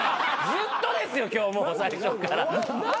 ずっとですよ今日もう最初から。